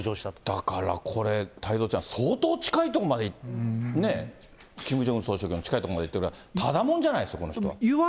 だからこれ、太蔵ちゃん、相当近い所まで、キム・ジョンウン総書記の近いところまでっていうのは、ただもんじゃないですね、この人は。